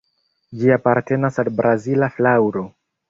Ĝi apartenas al Brazila flaŭro.